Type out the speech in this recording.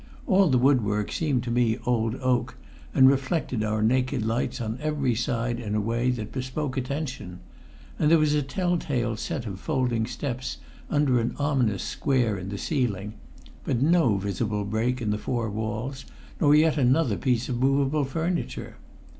All the woodwork seemed to me old oak, and reflected our naked lights on every side in a way that bespoke attention; and there was a tell tale set of folding steps under an ominous square in the ceiling, but no visible break in the four walls, nor yet another piece of movable furniture.